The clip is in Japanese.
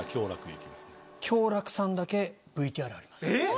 共楽さんだけＶＴＲあります